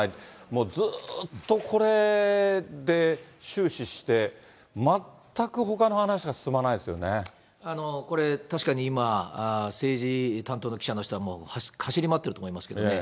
もうずーっとこれで終始して、これ、確かに今、政治担当の記者の人は走り回ってると思いますけどね。